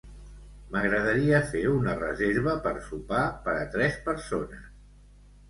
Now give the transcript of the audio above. M'agradaria fer una reserva per sopar per a tres persones.